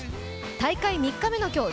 大会３日目の今日